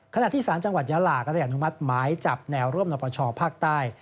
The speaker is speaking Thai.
ขณะที่ศาลจังหวัดญาหลาก็ได้อนุมัติไม้จับแนวร่วมหน่อประชาศุปนายศ์ภาคใต้